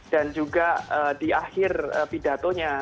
dan juga di akhir pidatonya